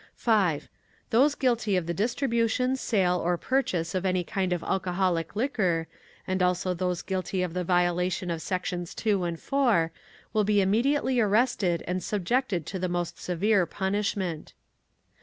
5. Those guilty of the distribution, sale or purchase of any kind of alcoholic liquor, and also those guilty of the violation of sections 2 and 4, will be immediately arrested and subjected to the most severe punishment.